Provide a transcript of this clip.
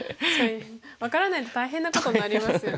分からないと大変なことになりますよね。